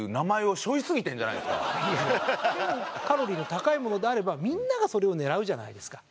カロリーの高いものであればみんながそれを狙うじゃないですか。